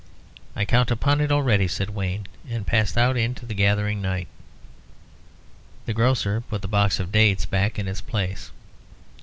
"I count upon it already," said Wayne, and passed out into the gathering night. The grocer put the box of dates back in its place.